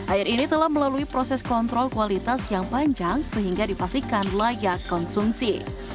air ini telah melalui proses kontrol kualitas yang panjang sehingga dipastikan layak konsumsi